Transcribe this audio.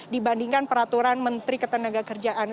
dibandingkan peraturan menteri ketenagakerjaan